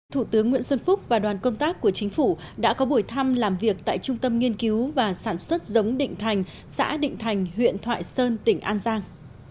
thủ tướng nguyễn xuân phúc và đoàn công tác của chính phủ đã có buổi thăm làm việc tại trung tâm nghiên cứu và sản xuất giống định thành xã định thành huyện thoại sơn tỉnh an giang